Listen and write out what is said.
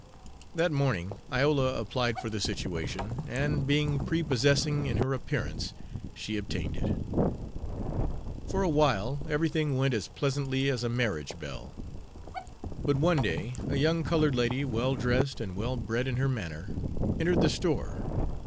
That morning Iola applied for the situation, and, being prepossessing in her appearance, she obtained it. For awhile everything went as pleasantly as a marriage bell. But one day a young colored lady, well dressed and well bred in her manner, entered the store.